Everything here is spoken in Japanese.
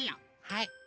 はい。